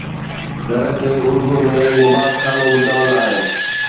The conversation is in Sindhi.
گهر کي اردوءَ ۾ نبات خانو به چوندا آهن